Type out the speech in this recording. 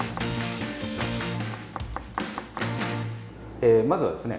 えまずはですね